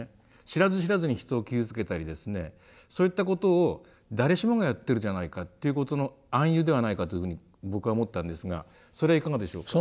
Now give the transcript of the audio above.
知らず知らずに人を傷つけたりですねそういったことを誰しもがやってるじゃないかっていうことの暗喩ではないかというふうに僕は思ったんですがそれはいかがでしょうか？